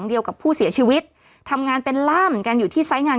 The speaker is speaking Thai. ที่เรียกกันมาฮียมัท